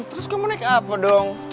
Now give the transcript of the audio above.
terus kamu naik apa dong